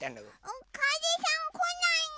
かぜさんこないの。